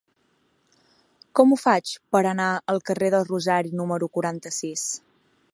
Com ho faig per anar al carrer del Rosari número quaranta-sis?